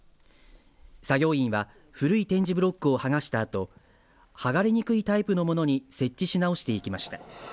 作業員は古い点字ブロックを剥がしたあと剥がれにくいタイプのものに設置し直していきました。